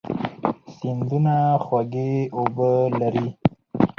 سیندونه خوږې اوبه لري.